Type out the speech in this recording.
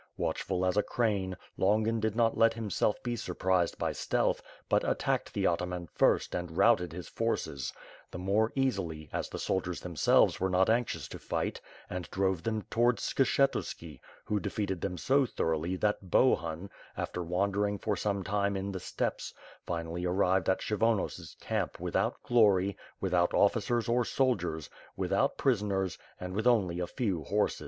Watchful as a crane, Longin did not let himself be surprised by stealth, but at tacked the ataman first and routed his forces; the more easily, as the soldiers themselves were not anxious to fight, and drove them towards Skshetuski; who defeated them so thoroughly that Bohun, after wandering for some time in the steppes, finally arrived at Kshyvonos camp without glory, without officers or soldiers, without prisoners and witli only a few horses.